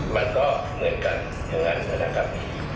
มันก็เหมือนกันอย่างนั้นนะครับ